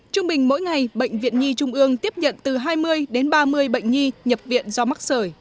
trung bình mỗi ngày bệnh viện nhi trung ương tiếp nhận từ hai mươi đến ba mươi bệnh nhi nhập viện do mắc sởi